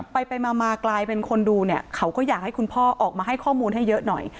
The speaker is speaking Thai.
ไปมากลายเป็นคนดูเนี่ยเขาก็อยากให้คุณพ่อออกมาให้ข้อมูลให้เยอะหน่อย